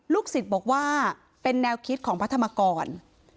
ศิษย์บอกว่าเป็นแนวคิดของพระธรรมกร